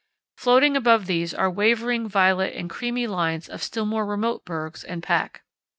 Floating above these are wavering violet and creamy lines of still more remote bergs and pack.